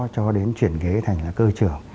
cho đến chuyển ghế thành là cơ trường